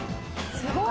すごい！